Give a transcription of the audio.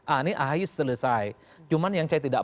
ini ahi selesai cuman yang saya tidak